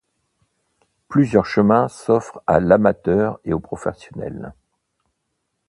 Plusieurs chemins s'offrent à l'amateur et au professionnel.